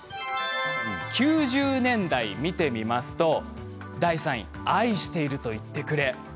９０年代、見てみますと第３位「愛していると言ってくれ」